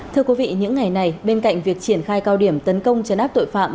thưa quý vị những ngày này bên cạnh việc triển khai cao điểm tấn công chấn áp tội phạm